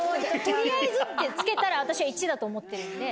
「取りあえず」って付けたら私は１だと思ってるんで。